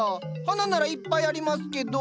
花ならいっぱいありますけど。